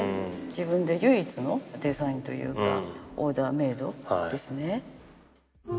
自分で唯一のデザインというかオーダーメードですね。